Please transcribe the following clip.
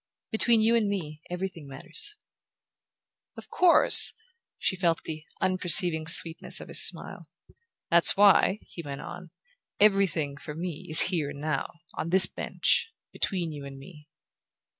"Between you and me everything matters." "Of course!" She felt the unperceiving sweetness of his smile. "That's why," he went on, "'everything,' for me, is here and now: on this bench, between you and me."